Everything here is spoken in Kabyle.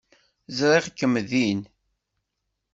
Ẓriɣ-kem din.